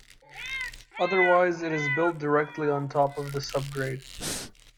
Otherwise, it is built directly on top of the subgrade.